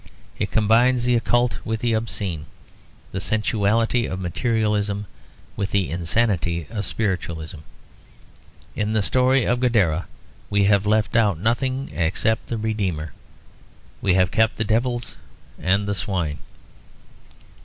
It combines the occult with the obscene; the sensuality of materialism with the insanity of spiritualism. In the story of Gadara we have left out nothing except the Redeemer, we have kept the devils and the swine.